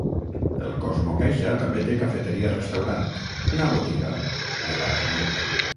El CosmoCaixa també té cafeteria-restaurant, una botiga i aparcament.